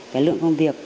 cái lượng công việc